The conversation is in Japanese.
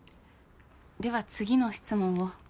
では次の質問を。